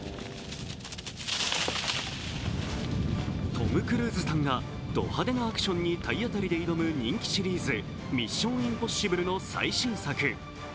トム・クルーズさんがド派手なアクションに体当たりで挑む人気シリーズ「ミッション：インポッシブル」の最新作。